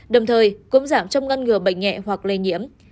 đồng thời cũng giảm trong ngăn ngừa bệnh nhẹ hoặc lây nhiễm